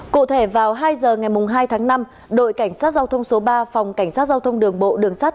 cụ thể vào hai giờ ngày hai tháng năm đội cảnh sát giao thông số ba phòng cảnh sát giao thông đường bộ đường sát